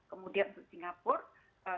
kemudian untuk singapura